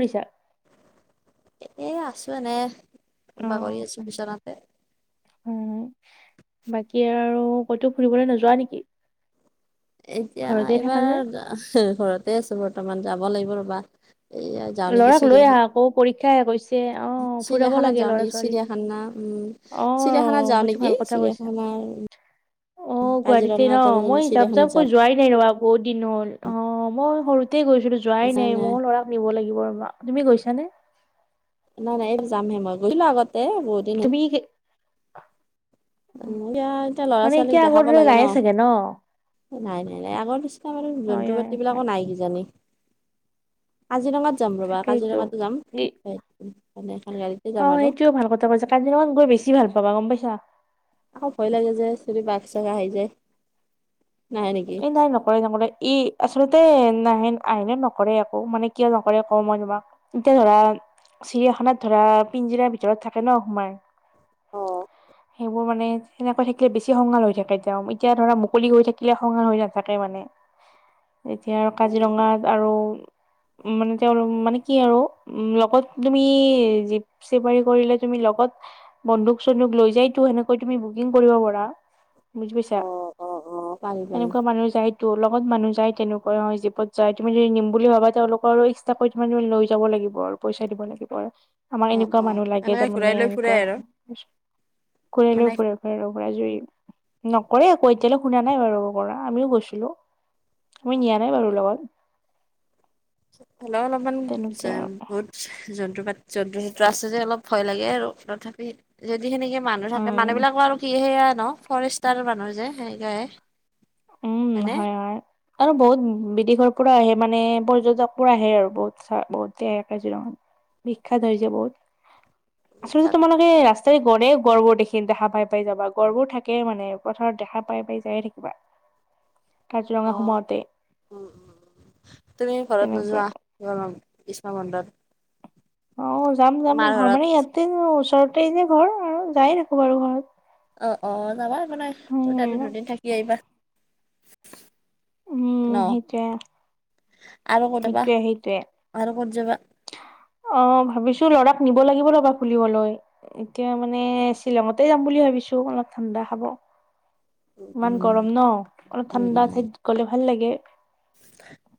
পৰিছা। এ আছো এনে বাগৰি অ', আছো বিচনাতে। উম বাকী আৰু ক'তো ফুৰিবলৈ নোযোৱা নেকি? এতিয়া ঘৰতে থাকা যে, এইবাৰ, ঘৰতে আছো বৰ্তমান যাব লাগিব ৰ'বা। এইয়া যাওঁ নেকি ল'ৰাক লৈ চিৰিয়াখান আহা আকৌ পৰীক্ষা শেষ হৈছে। তে অ' ফুৰাব চিৰিয়াখানাত লাগে যাওঁ ল'ৰা নেকি ছোৱালী। চিৰিয়াখানা উম। চিৰিয়াখানাত অ' যাওঁ সেইটো নেকি ভাল কথা কৈছা। চিৰিয়াখানাৰ অহ' গুৱাহাটীতে ন কাজিৰঙাত আৰু মই যাম চিৰিয়াখানাত যাম কৈ যোৱাই নাই ৰ'বা। বহুত দিন হল অ মই সৰুতে গৈছিলো যোৱাই নাই মোৰ ল'ৰা। [unintelligible] তুমি গৈছা নে? নাই, নাই এইটো যামহে মই গৈছিলো আগতে বহুত দিন হ'ল। তুমি কি উম' এতিয়া এতিয়া ল'ৰা মানে ছোৱালীক এতিয়া আগৰ দেখাব দৰে লাগে ন। নাইয়ে চাগে নাই নাই নাই আগৰ নিচিনা বাৰু হয়, জন্তু হয়, পাতি বিলাকো হয়, নাই কিজানি কাজিৰঙাত। যাম ৰ'বা তাকেইতো। কাজিৰঙাতো যাম মানে এখন গাড়ীতে যাম অ', আৰু। সেইটোও ভাল কথা কৈছা কাজিৰঙাত গৈ বেছি ভাল পাবা গম পাইছা। আকৌ ভয় লাগে যে যদি বাঘ চাঘ আহি যায়। নাহে নেকি এই নাই নকৰে নকৰে ই আচলতে। নাহেন আ [unintelligible] নকৰে একো মানে কিয় নকৰে কও মই তোমাক এতিয়া ধৰা। চিৰিয়াখানাত ধৰা পিঞ্জিৰাৰ ভিতৰত থাকে ন সোমাই। অ', সেইবোৰ মানে এনেকৈ থাকিলে বেছি খঙাল হৈ থাকে তেওঁ এতিয়া ধৰা মুকলি হৈ থাকিলে। খঙাল হৈ নাথাকে মানে এতিয়া আৰু কাজিৰঙাত আৰু। উ মানে তেওঁ মানে কি আৰু উ লগত তুমি জিপ চাফাৰি কৰিলে তুমি। ত বন্দুক চন্দুক লৈ যায়তো সেনেকৈ তুমি বুকিং কৰিব পাৰা। বুজি পাইছা, অ', অ', অ'। পাৰি পাৰি। এনেকুৱা মানুহ যায়টো লগ। লগত মানুহ যায় তেনেকৈ অ জীপত যায় তুমি যদি নিম বুলি ভাবা তেওঁলোকৰ আৰু এক্সট্ৰাকৈ তোমালোকে লৈ যাব লাগিব আৰু। পইচা দিব লাগিব আৰু আমাৰ অ', এনেকুৱা অ', মানুহ লাগে এনেকে ঘূৰাই তাৰমানে লৈ ফুৰাই এনেকুৱা। আৰু মানে কৰিলেও কৰিব পাৰে [unintelligible] নকৰে আকৌ এতিয়ালৈ শুনা নাই বাৰু। পৰা আমিও গৈছিলো। আমি নিয়া নাই বাৰু লগত। হ'লেও অলপমান তেনেকে যাম আৰু বহুত যন [unintelligible] যন্ত্ৰ চন্ত্ৰ আছে যে অলপ ভয় লাগে আৰু তথাপি। যিখিনিকে মানুহ থাকে মানুহ উম বিলাক আৰু কি সেয়া ন ফৰেষ্টাৰ মানুহ যে সেনেকাই। উম হয় হয়। আৰু বহুত বিদেশৰ পৰা আহে মানে, পৰ্যটকবোৰ আহে আৰু বহুত চ বহুতে আহে কাজিৰঙা। বিখ্যাত হৈ যাব, আচলতে বিখ্যাত তোমালোকে ৰাস্ত -ৰে গলে গড়বোৰ দেখি দেখা পাই পাই যাবা গড়বোৰ থাকে মানে পথাৰত দেখা পাই পাই যায়ে থাকিবা। কাজিৰঙা অ', সোমাওঁতে। উম, তুমি ঘৰত নোযোৱা গৰম গ্ৰীষ্ম বন্ধত। অহ' যাম যাম মাৰ ঘৰ ঘৰত? মানে ইয়াতে ওচৰতে যে ঘৰ আৰু যায় থাকো বাৰু ঘৰত। অ', অ', যাবা একো নাই, তাতো উম দুদিন থাকি আহিবা। ন উম, সেইটোৱে। আৰু ক'তবা, সেইটোৱে সেইটোৱে আৰু ক'ত যাবা? [unintelligible] অ', ভাবিছোঁ ল'ৰাক নিব লাগিব ৰ'বা ফুলিবলৈ, এতিয়া মানে শ্বিলঙতে যাম বুলি ভাব ভাবিছোঁ অলপ ঠাণ্ডা হ'ব। ইমান উম, গৰম ন? অলপ উম, ঠাণ্ডা উম, ঠাইত গ'লে ভাল লাগে।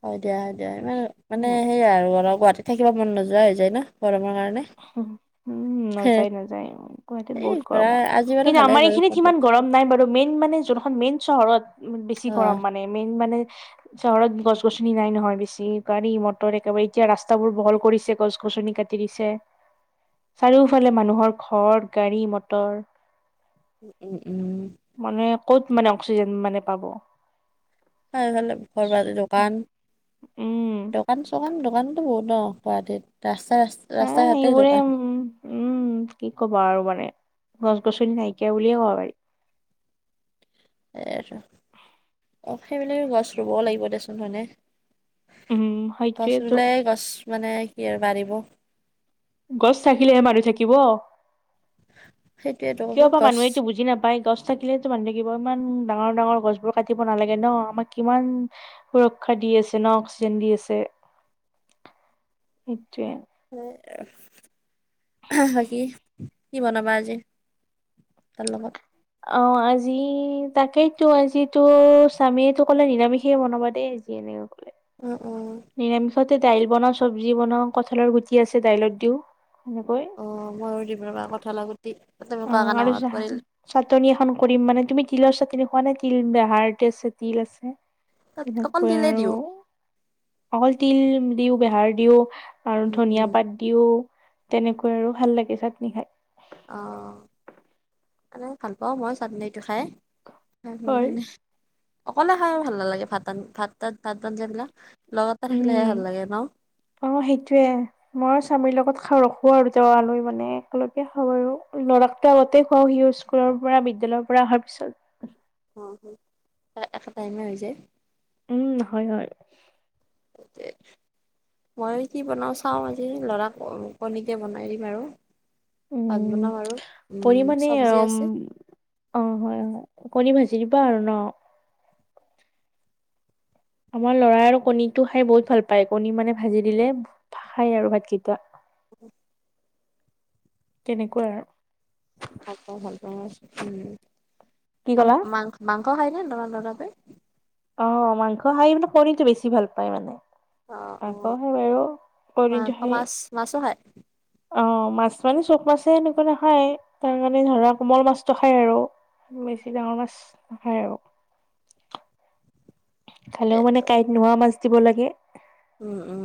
হয়, দিয়া হয়, দিয়া ইমান মানে উম সেইয়াই আৰু অলপ গুৱাহাটীত থাকিব মন নোযোৱা হৈ যায় ন? গৰমৰ কাৰণে। উম' নাযায়, নাযায় গুৱাহাটীত এই বহুত গৰম ধৰা হয়। আজি বাৰু কিন্তু, ভালে আমাৰ বাৰু এইখিনিত সিমান বতৰটো। গৰম নাই বাৰু মেইন মানে যোনখন মেইন চহৰত, বেছি গৰম অ', মানে মেইন মানে। চহৰত গছ গছনি নাই নহয় বেছি। গাড়ী মটৰ একেবাৰে এতিয়া ৰাস্তা বোৰ বহল কৰিছে গছ গছনি। ছনি কাটি দিছে, চাৰিওফালে মানুহৰ ঘৰ, গাড়ী, মটৰ। উম, উম, উম। মানে ক'ত মানে অক্সিজেন মানে পাব? [unintelligible] দোকান, উম দোকান চোকান দামতটো বহুত ন গুৱাহাটীত তা হা এইবোৰে উম উম কি কবা আৰু মানে গছ গছনি নাইকিয়া বুলিয়ে কব পাৰি। [unintelligible] অ, সেইবোলিও গছ ৰুবও লাগিব দিয়া ছোন হয়নে। উম গছ সেইটোয়েতো ৰুলেহে গছ মানে কি আৰু বাঢ়িব। গছ থাকিলেহে মানুহ থাকিব। সেইটোয়েতো কিয় কৈছো বা গছ মানুহে সেইটো বুজি নাপায় গছ থাকিলেতো মানুহ থাকিব ইমান ডাঙৰ ডাঙৰ গছবোৰ কাটিব নালাগে ন আমাক কিমান সুৰক্ষা দি আছে ন অক্সিজেন দি আছে। সেইটোয়ে। [unintelligible] বাকী কি বনাবা আজি তাৰ লগত, অ', আজি তাকেইতো আজিতো স্বামীয়ে তো কলে নিৰামিষে বনাবা দেই। [unintelligible] কলে। অ', অ'। নিৰামিষতে দাইল বনাও চব্জি বনাও কঁঠালৰ গুটি আছে দাইলত দিও। সেনেকৈ অ', ময়ো দিম ৰবা কঠালৰ গুটি। তুমি অ, কোৱা কাৰণে আৰু মনত পৰিল চাটনি এখন কৰি মানে তুমি তিলৰ চাটনি খুৱা নে তিল বেহাৰ [unintelligible] তিল আছে। তাত অকল তেনেকোৱা তিলে আৰু দিওঁ অকল তিল দিও বেহাৰ দিও আৰু উম ধনিয়া উম পাত দিও, তেনেকৈ আৰু ভাল লাগে চাটনি খাই। অ' মানে ভাল পাওঁ মই চাটনি খাই হয় মানে অকলে খাই ভাল নালাগে ভাত ভাত ভাত আঞ্জা বিলাক। উম, অ' সেইটোয়ে মইও স্বামীৰ লগত খাওঁ ৰখো আৰু তেওঁ অহালৈ মানে একেলগে খাওঁ আৰু ল'ৰাকতো আগতে খুৱাও সি স্কুলৰ পৰা বি [unintelligible] পৰা অহাৰ পিছত। অ' একে টাইমে হৈ যায়। উম, হয়-হয়। [unintelligible] মই কি বনাও চাওঁ আজি লৰাক কণীকে বনাই দিম আৰু। ভাত উম বনাম আৰু উম পৰি মানে, চব্জি আছে অ' হয় হয়। কণী ভাজি দিবা আৰু ন। আমাৰ লৰাই আৰু কণীটো খাই বহুত ভাল পায় কণী মানে ভাজি দিলে খায় আৰু ভাত গীতা। [unintelligible] তেনেকুৱা আৰু। ভাল পায় ভাল পায় কি উম ক'লা মাংস [unintelligible] অ', মাংস খাই মানে পনীৰটো বেছি ভাল পায় মানে। অ আকৌ অ সেই বাৰু কণীটো মাংস সেই মাছ মাছো খায় অ', মাছ মানে চব মাছে এনেকুৱা নাখায় তাৰ কাৰণে ধৰা কোমল মাছটো খায় আৰু। বেছি ডাঙৰ মাছ নাখায় আৰু। খালেও মানে কাঁইট নোহোৱা মাছ দিব লাগে। উম-উম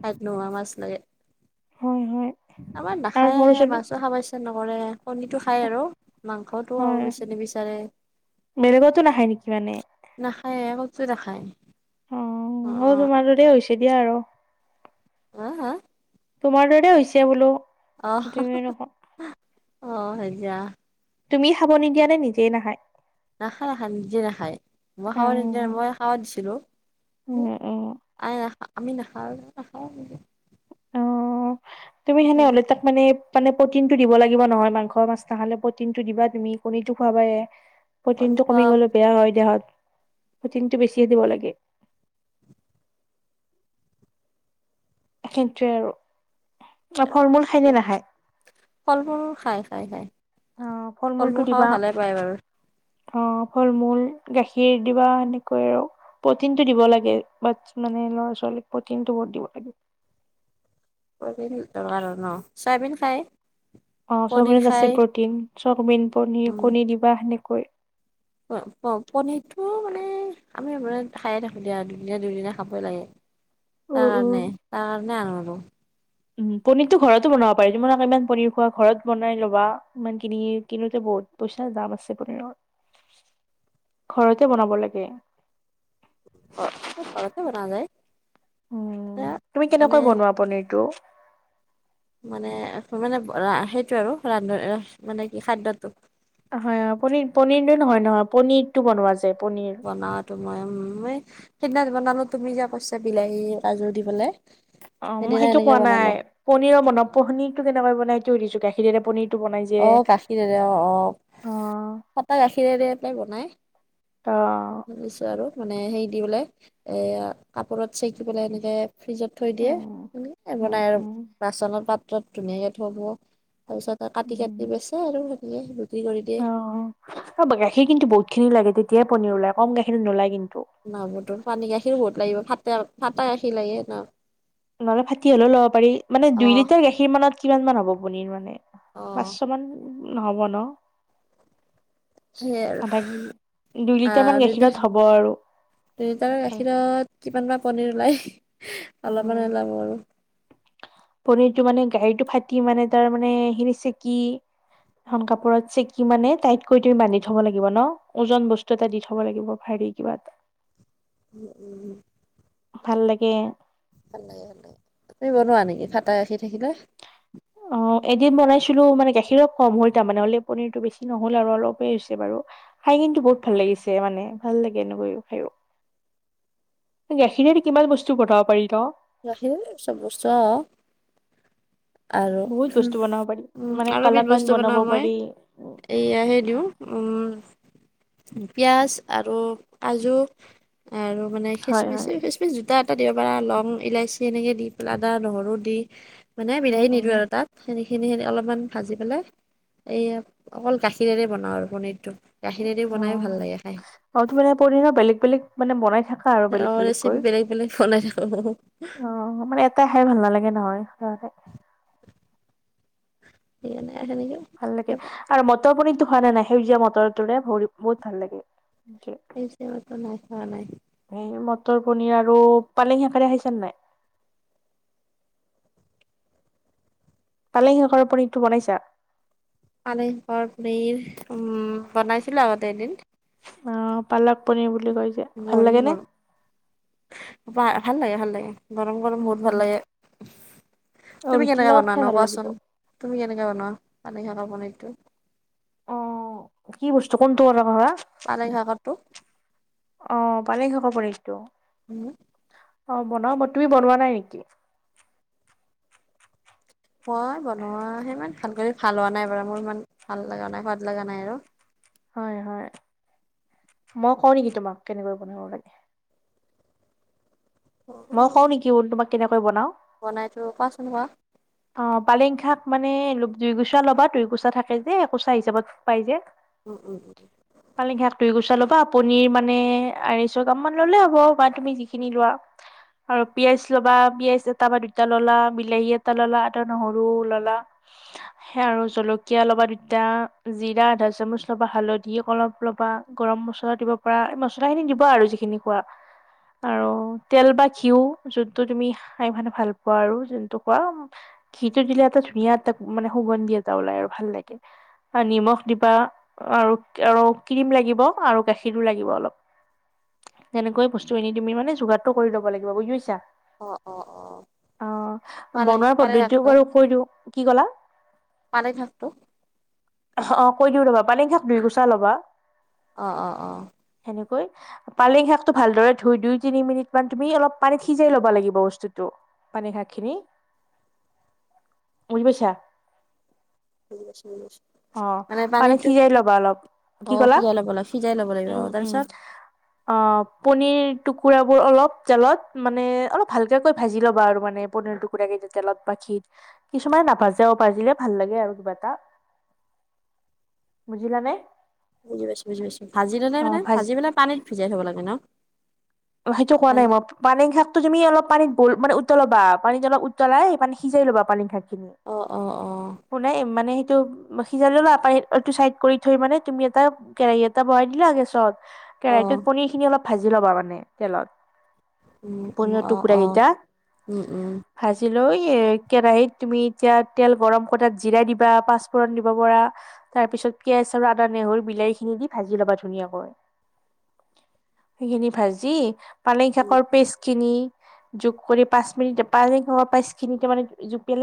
কাইট নোহোৱা মাছ লাগে। হয় হয়। আমাৰ আৰু সৰু নাখাইয়ে ছোৱালী মাছো খাবা ইচ্ছা নকৰে কণীটো খাই আৰু মাংসটো আৰু হয় পিছে নিবি বিচাৰে। বেলেগতো নাখায় নেকি মানে? কিয় নাখায়? অ', অ' মোৰ তোমাৰ দৰে হৈছে দিয়া আৰু। আ হা। তোমাৰ দৰে হৈছে বোলো। তুমি নক অহ-অহ হয় যা। তুমি খাব নিদিয়া নে নিজেই নাখায়। নাখায় নাখায় নিজে নাখায় উম উম উম না আমি নাখাওঁ-নাখাওঁ অ'। তুমি সেনে হ'লে তাক মানে-মানে প্ৰটিন টো দিব লাগিব নহয় মাংসৰ মাছ নাহাললে প্ৰটিন টো দিবা তুমি কণীটো খুৱোৱাবা এ কণী প্ৰটিনটো খোৱা কমি গ'লে বেয়া হয় দেহত। প্ৰটিনটো বেছিয় দিব লাগে। সেটোৱে আৰু ফল মূল খায়নে নাখায়। ফল মূল খাই খাই খাই অহ ফল মূলটো মূল খাব দিবা। ভালে পায় বাৰু অ, ফল মূল গাখীৰ দিবা এনেকৈ আৰু। প্ৰ'টিনটো দিব লাগে, বা মানে ল'ৰা ছোৱালীক প্ৰ'টিনটো বহুত দিব লাগে। পনিৰ [unintelligible] ন, চয়াবিন খায়? অ পনীৰ চমিনত আছে খায় প্ৰ'টিন চবিন পনীৰ উম কণী দিবা সেনেকৈ। প পনীৰটো মানে আমি এনে খায়ে থাকো দিয় আৰু দুদিনা-দুদিনা খাবই লাগে। উম, উম। তাৰকাৰণে তাৰকাৰনে আনো আৰু। উম, পনিৰতো ঘৰতো বনাব পাৰি তোমালোকে ইমান পনিৰ খোৱা ঘৰত বনাই ল'বা ইমান কিনি কিনোতে। বত পইচা দাম আছে পনীৰৰ ঘৰতে বনাব লাগে। ৰ ঘৰতে বনোৱা যায় উম, এতিয়া তুমি মানে কেনেকৈ বনোৱা পনীৰটো। মানে -মানে সেইটো আৰু ৰান্ধ মানে কি খাদ্যয়টো। হয় আউ, পনিৰ-পনিৰটো নহয় নহয় পনিৰটো বনোৱা যে পনীৰ বনোৱাতো মই উম, সেইদিনা বনালো তুমি যে কৈছা বিলাহী কাজু দিবলে। অ, মই সেইটো কোৱা নাই পনিৰৰ মনত পনীৰতটো কেনেকৈ বনাই ত দিছো গাখীৰে পনীৰ। অহ গাখীৰেৰে অ-অ অ', ফটা গাখীৰেৰে পৰা বনাই অ', দিছো আৰু মানে হেৰি দি পেলাই এই কাপোৰত চেকি পেলাই এনেকে। ফ্ৰিজত থৈ দিয়ে উম, উম, বনাই আৰু উম, বাচনত পাত ত ধুনীয়াকে থব তাৰপিছত উম, কাটি-কাটি বেচে আৰু সেনেকে সেই অ, গাখীৰ কিন্তু বহুত খিনি লাগে তেতিয়াই পনীৰ ওলাই কম গাখীৰ নোলাই কিন্তু। না হয়তো পানী গাখীৰ বহুত লাগিব ফাতে ফাঁটা গাখীৰ লাগে ন। নহ'লে ফাটি হ'লেও ল'ব পাৰি মানে অ দুই লিটাৰ গাখীৰ মানত কিমান মান হ'ব পনীৰ মানে অ পাঁচশ মান হব ন। সেইয়াই আৰু আধা কেজি দুই লিটাৰ মান গাখীৰত হব আৰু। তিনিলিটাৰ গাখীৰত কিমান বা পনীৰ ওলাই অলপমান উম ওলাব আৰু। পনিৰটো মানে গাড়ীটো ফাটি মানে তাৰ মানে সিখিনি চেকি ধন কাপোৰত চেকি মানে টাইতকৈ তুম বান্ধি থব লাগিব ন ওজন বস্তু এটা দি থব লাগিব। হি কিবাত উম-উম, ভাল লাগে। ভাল লাগে ভাল লাগে তুনি বনোৱা নেকি ফটা গাখীৰ থাকিলে। অ', এদিন বনাইছিলো মানে গাখীৰ কম হল তাৰ মানে হ'লে পনীৰতটো বেছি নহ'ল আৰু অলপেই হৈছে বাৰু। কিন্তু বহুত ভাল লাগিছে মানে ভাল লাগে এনেকৈ খাই। গাখীৰ কিমান বস্তু বনাব পাৰি ন। অহ, আৰু বহুত বস্তু বনাব পাৰি উম, মানে আৰু এবিধ কালাকান বস্তু বনাব বনাওঁ মই পাৰি। এয়াহে দিওঁ উম, পিয়াজ আৰু কাজু আৰু মানে হয় হয় খিচমিচ-খেচমিচ জোতাত কেতিয়াবা লং, ইলাইচি এনেকে দি পেলাই আডা, নহৰু দি মানে উম বিলাহী উম নিদো আৰু তাত, সেনে খিনি, খিনি অলপমান ভাজি পেলাই, এই অকল গাখীৰেৰে বনাওঁ আৰু পনীৰটো। গাখীৰেদি অ', বনাই ভাল লাগে খাই আৰু তোমাৰ [unintelligible] পনীৰো বেলেগ বেলেগ মানে বনাই থাক খা, আৰু বেলেগ বেলেগ ৰেচিপি কৰি অ, বেলেগ বনাই থাকোঁ মানে এটাই খাই ভাল নালাগে নহয়। [unintelligible] এনে ভাল লাগে আৰু মটৰ পনীৰতো খোৱানে নাই? সেউজীয়া মটৰটোৰে ভৰি-বহুত ভাল লাগে। [unintelligible] নাই খোৱা নাই এই মটৰ পনীৰ আৰু পালেং শাকেৰে খাইছানে নাই? পালেং শাকৰ পনীৰটো বনাইছা? পালেং শাকৰ পনীৰ, উম, বনাইছিলো আগতে এদিন। অ', পালক পনীৰ বুলি কয় যে, ভাল লাগে নে? ভা-ভাল লাগে, ভাল লাগে, গৰম, গৰম উম বহুত উম ভাল লাগে। অ তুমি ৰুটিৰ কেনেকে লগত খাই বনোৱানো ভাল লাগিব কোৱাচোন? তুমি কেনেকে বনোৱা পালেং শাকৰ পনীৰটো? অ কি বস্তু? কোনটো কথা ক'লা? পালেং শাকৰটো। অ', পালেং শাকৰ পনীৰটো। উম। অ', বনাওঁ বা তুমি বনোৱা নাই নিকি? ভাল কৰি ভাল হোৱা নাই বাৰু মোৰ ইমান ভাল লাগা নাই সোৱাদ লাগা নাই আৰু। হয়, হয়, মই কওঁ নেকি তোমাক কেনেকৈ বনাব লাগে? মই কওঁ নিকি তোমাক কেনেকৈ বনাওঁ? বনাইতো, কোৱাচোন কোৱা। অ', পালেং শাক মানে, দুইকুচা ল'বা, দুই কুচা থাকে যে, একোচা হিচাপত পাই যে উম উম পালেং শাকটো গুচাই ল'বা। পনিৰ মানে, আঢ়ৈশ গ্ৰাম মান ললে হ'ব, বা তুমি যিখিনি লোৱা আৰু পিঁয়াজ ল'বা, পিঁয়াজ এটা বা দুটা ল'লা বিলাহী এ এটা ল'লা, এটা নহৰু ল'লা। সেয়ে আৰু জলকীয়া ল'বা দুটা, জিৰা আধা চামুচ ল'বা, হালধি অলপ ল'বা, গৰম মছলা দিব পাৰা, এই মছলা খিনি দিবা আৰু যিখিনি খোৱা। আৰু তেল বা ঘিউ, যোনটো তুমি খাই মানে ভাল পোৱা আৰু যোনটো গৰম, ঘিটো দিলে এটা ধুনীয়া এটা, মানে সুগন্ধিয়া এটা ওলাই আৰু ভাল লাগে। নিমখ দিবা, আৰু-আৰু ক্ৰীম লাগিব আৰু গাখীৰো লাগিব অলপ। তেনেকৈ বস্তুখিনি তুমি মানে যোগাৰটো কৰি ল'ব লাগিব বুজি পাইছা? অ', অ', অ'। অ পালেং বনোৱাৰ পালেং পদ্ধতিও শাকটো বাৰু কৈ দিওঁ কি কলা পালেং শাকটো অ কৈ দিও লবা পানী শাক দুই গুচা ল'বা অ অ অ ভালকৈ, পালেং শাকটো ভালদৰে ধুই দুই তিনি মিনিট মান তুমি অলপ পানীত সিজাই লব লাগিব বস্তুটো। পানী শাক খিনি বুজি পাইছা? [unintelligible] অ', মানে পানীত পানীটো সিজাই ল'বা অলপ, কি অ', কলা? সিজাই ল'ব লাগে সিজাই ল'ব লাগিব উম অ', উম, তাৰপিছত অ', পনীৰটোক টুকুৰাবোৰ অলপ তেলত মানে অলপ হালধীয়াকৈ ভাজি ল'বা আৰু মানে পনীৰ টুকুৰাকেইটা তেলত বা ঘীত। কিছুমানে নাভাজেও ভাজিলে ভাল লাগে আৰু কিবা এটা। বুজিলানে বুজি পাইছো বুজি পাইছো ভাজি ললে মানে ভাজি পেলাই পানীত ভিজাই থব লাগে ন। সেইটো কোৱা নাই ভাজি মই পানে শাক তুমি অলপ পানীত বইল, মানে উতলাবা, পানীত অলপ উতলাই সেই পানী সিজাই লবা পানী থাক খিনি, অ', অ', অ', কোনে মানেই এইটো সিজাই ললা আটো চাইড কৰি থৈ মানে তুমি এটা কেৰাহী এটা বনাই দিলা গেছত। কেৰাহটোত অ', পনিৰ খিনি অলপ ভাজি ল'বা মানে তেলত। উম, উম, পনিৰ অ', টুকুৰা অ', কেইটা উম, উম। ভাজিল। আৰু এ কেৰাহিতত তুমি এতিয়া তেল গৰম কটাত জিৰা দিবা, পাঁচফোৰণ দিব পাৰা। তাৰ পিছত পিঁয়াজ আৰু আদা, নেহৰু, বিলাহী খিনি দি ভাজি ল'বা ধুনীয়াকৈ। সেইখিনি ভাজি পালেং শাকৰ পেষ্ট। খিনি যোগ কৰি পাঁচ মিনিট পানী পাই খিনি ত মানে জুপিয় ল